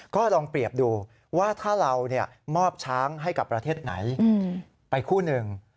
ก็ลองเปรียบดูว่าถ้าเรามอบช้างให้กับประเทศไหนไปคู่หนึ่ง